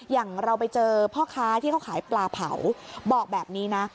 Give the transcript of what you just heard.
อย่างเราไปเจอพ่อค้าที่เขาขายปลาเผาบอกแบบนี้นะ